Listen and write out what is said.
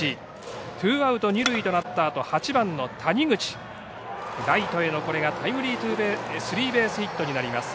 ツーアウト二塁となった中８番の谷口ライトへのスリーベースヒットになります。